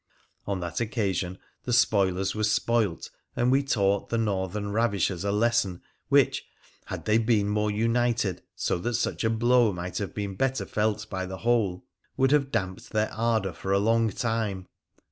On that occasion the spoilers were spoilt, and we taught the Northern ravishers a lesson which, had they been more united so that such a blow might have been better felt by the whole, would have damped their ardour for a long time.